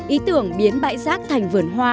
ý tưởng biến bãi rác thành vườn hoa